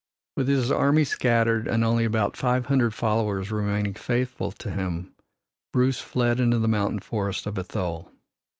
With his army scattered and only about five hundred followers remaining faithful to him, Bruce fled into the mountain forests of Athole.